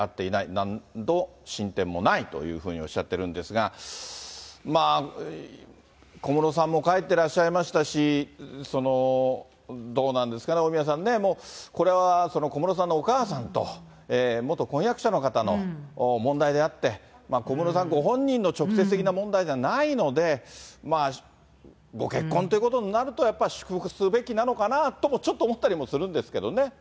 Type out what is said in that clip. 何も進展もないというふうにおっしゃってるんですが、小室さんも帰ってらっしゃいましたし、どうなんですかね、大宮さんね、これは小室さんのお母さんと、元婚約者の方の問題であって、小室さんご本人の直接的な問題ではないので、ご結婚ということになると、やっぱり祝福すべきなのかなと、ちょっと思ったりもするんですけどね。